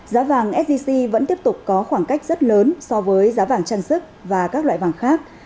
giá vàng sgc vẫn tiếp tục có khoảng cách rất lớn so với giá vàng trang sức và các loại vàng khác